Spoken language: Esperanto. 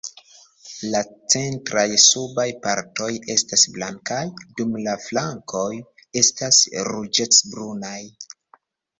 La centraj subaj partoj estas blankaj, dum la flankoj estas ruĝecbrunaj.